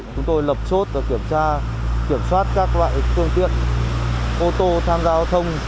chúng tôi lập chốt và kiểm soát các loại phương tiện ô tô tham gia hóa thông